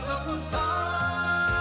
giọng giọng sáng